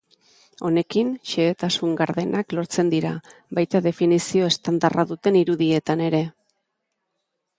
Honekin, xehetasun gardenak lortzen dira, baita definizio estandarra duten irudietan ere.